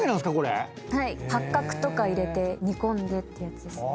八角とか入れて煮込んでってやつです。